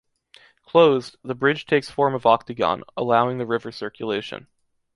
Closed, the bridge takes form of octagon, allowing the river circulation.